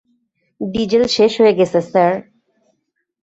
Diesel শেষ হয়ে গেছে, স্যার।